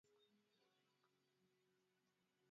Aina za mbegu pia huchangia kutoa kiasi tofauti cha mavuno